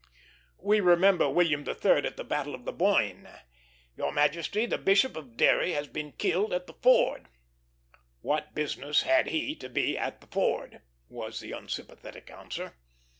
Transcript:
We remember William III. at the battle of the Boyne. "Your majesty, the Bishop of Derry has been killed at the ford." "What business had he to be at the ford?" was the unsympathetic answer.